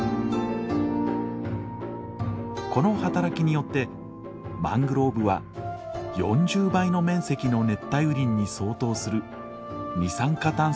この働きによってマングローブは４０倍の面積の熱帯雨林に相当する二酸化炭素の吸収量を誇る。